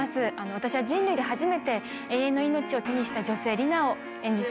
私は人類で初めて永遠の命を手にした女性リナを演じています。